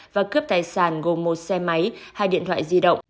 và cướp tài sản gồm một xe máy hai điện thoại di động